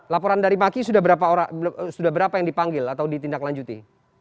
laporan dari maki sudah berapa yang dipanggil atau ditindaklanjuti